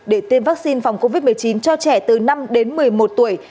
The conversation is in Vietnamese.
để tiêm vaccine phòng covid một mươi chín cho trẻ từ năm đến một mươi một tuổi